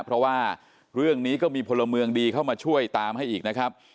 เพราะว่าเรื่องนี้ก็มีพลเมืองดีเข้ามาช่วยตามให้อีกนะครับ